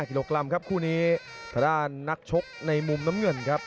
ในคู่นี้นักชกในมุมน้ำเงินครับ